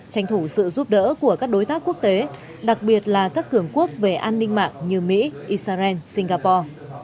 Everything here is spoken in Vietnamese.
tranh thủ sự giúp đỡ của các đối tác quốc tế đặc biệt là các cường quốc về an ninh mạng như mỹ israel singapore